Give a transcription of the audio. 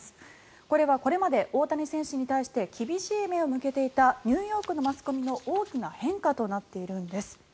これはこれまで大谷選手に対して厳しい目を向けていたニューヨークのマスコミの大きな変化となっているんです。